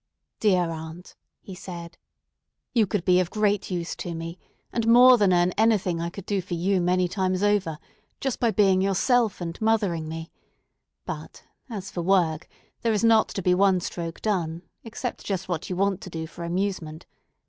"Dear aunt," he said, "you could be of great use to me, and more than earn anything I could do for you many times over, just by being yourself and mothering me; but as for work, there is not to be one stroke done except just what you want to do for amusement.